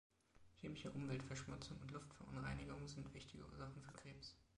Chemische Umweltverschmutzung und Luftverunreinigung sind wichtige Ursachen für Krebs.